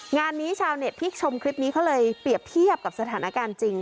งานนี้ชาวเน็ตที่ชมคลิปนี้เขาเลยเปรียบเทียบกับสถานการณ์จริง